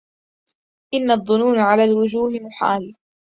إن الظنون على الوجوه محال